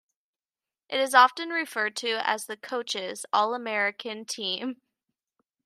It is often referred to as the "Coaches' All-America Team".